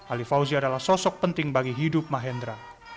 ali fauzi adalah sosok penting bagi hidup mahendra